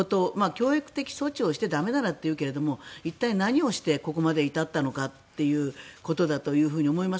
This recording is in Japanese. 教育的措置をして駄目ならというけど一体、何をしてここまでに至ったのかということだと思います。